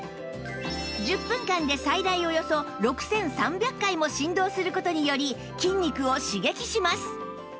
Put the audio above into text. １０分間で最大およそ６３００回も振動する事により筋肉を刺激します